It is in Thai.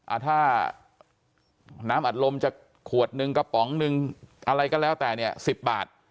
อ่าถ้าน้ำอัดลมจะขวดหนึ่งกระป๋องหนึ่งอะไรก็แล้วแต่เนี่ยสิบบาท